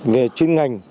về chuyên ngành